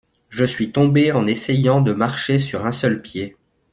Je suis tombé en essayant de marcher sur un seul pied.